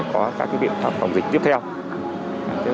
để có các cái biện pháp phòng dịch tiếp theo